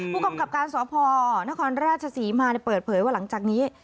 ผู้กำกับการสพนครราชศรีมาเปิดเผยว่าหลังจากนี้